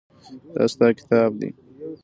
دا ستا کتاب دی.